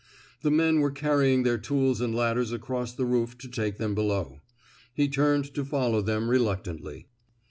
The men were carrying their tools and ladders across the roof to take them below. He turned to follow them reluctantly.